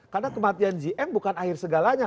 karena kematian jn bukan akhir segalanya